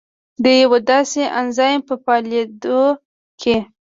د یوه داسې انزایم په فعالېدو کې